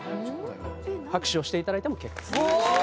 拍手をしていただいても結構。